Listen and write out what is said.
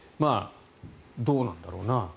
どうなんだろうな。